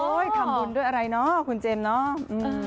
ทำบุญด้วยอะไรเนาะคุณเจมส์เนาะ